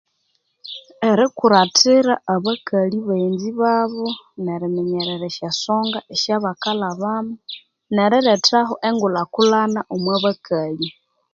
Erikurathira abakali baghenzi babo neriminyerera esyasonga esya bakalhabamo, neri lethaho engulhakulhana omwa bakali.